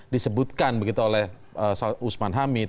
disebutkan begitu oleh usman hamid